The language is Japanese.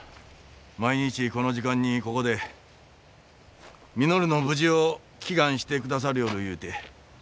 毎日この時間にここで稔の無事を祈願してくださりょうるいうて。